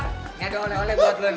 hei kebobotak gak ada ule ule buat lo nih